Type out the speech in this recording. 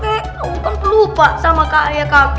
aku kan lupa sama kakek